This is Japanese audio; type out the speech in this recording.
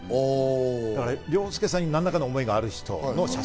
凌介さんに何らかの思いがある人の写真。